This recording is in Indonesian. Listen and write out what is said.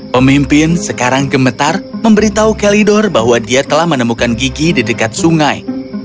pemimpin sekarang gemetar memberitahu kalidor bahwa dia telah menemukan gigi di dekat sungai